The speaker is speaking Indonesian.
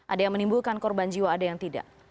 ada yang menimbulkan korban jiwa ada yang tidak